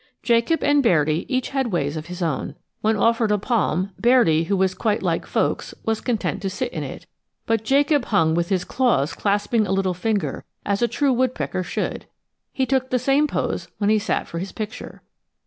Jacob and Bairdi each had ways of his own. When offered a palm, Bairdi, who was quite like 'folks,' was content to sit in it; but Jacob hung with his claws clasping a little finger as a true woodpecker should; he took the same pose when he sat for his picture.